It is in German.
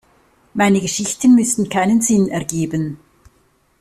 Meine Geschichten müssen keinen Sinn ergeben.